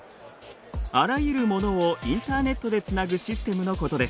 あらゆるモノをインターネットでつなぐシステムのことです。